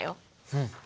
うん。